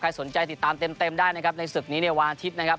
สนใจติดตามเต็มได้นะครับในศึกนี้ในวันอาทิตย์นะครับ